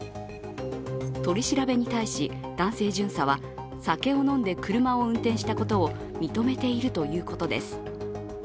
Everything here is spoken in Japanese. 取り調べに対し男性巡査は、酒を飲んで車を運転したことを認めているということです。